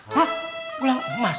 hah gelang emas